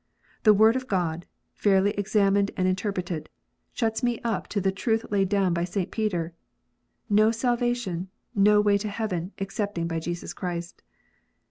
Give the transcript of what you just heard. The Word of God, fairly examined and interpreted, shuts me up to the truth laid down by St. Peter. No salvation, no way to heaven, excepting by Jesus Christ.